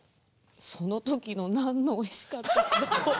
その時のナンのおいしかったこと。